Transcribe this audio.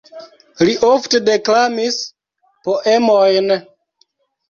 Li ofte deklamis poemojn.